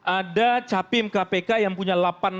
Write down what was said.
ada capim kpk yang punya